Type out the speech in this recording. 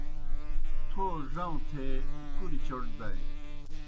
تھو ڙؤں تھے کُریْ چوْٹ دائے۔